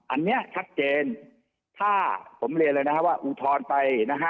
อันนี้ชัดเจนถ้าผมเรียนเลยนะครับว่าอุทธรณ์ไปนะฮะ